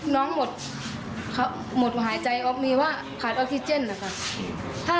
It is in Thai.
น้องหมดหายใจออกมีว่าขาดออกซิเจนนะคะ